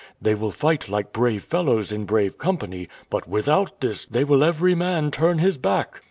They will fight like brave fellows in brave company; but without this they will every man turn his back."